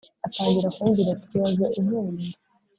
atangira kumbwira ati ibaze unteye inda